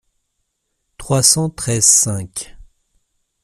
trois cent treize-cinq.